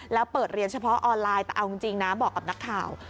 แล้วเปิดเรียนเฉพาะออนไลน์แต่เอาจริงนะบอกกับนักข่าว